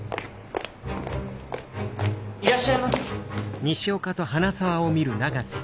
いらっしゃいませ。